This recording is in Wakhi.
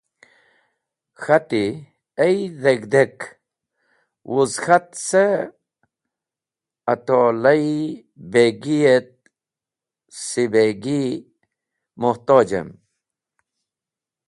K̃hati: “Ay dheg̃hdek! Wuz k̃hat cẽ attola-e begi et sibagi, muhtojem.